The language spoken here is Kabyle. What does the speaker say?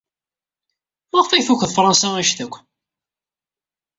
Maɣef ay tukeḍ Fṛansa anect-a akk?